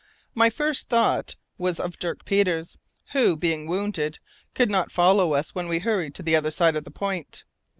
My first thought was of Dirk Peters, who, being wounded, could not follow us when we hurried to the other side of the point.